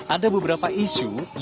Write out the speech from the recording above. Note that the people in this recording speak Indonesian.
ada beberapa isu yang terjadi